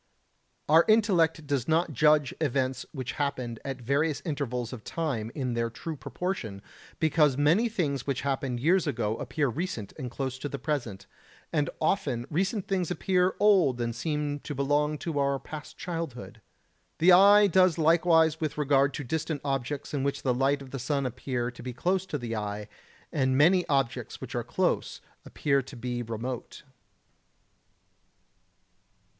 Our intellect does not judge events which happened at various intervals of time in their true proportion, because many things which happened years ago appear recent and close to the present, and often recent things appear old and seem to belong to our past childhood. The eye does likewise with regard to distant objects which in the light of the sun appear to be close to the eye, and many objects which are close appear to be remote.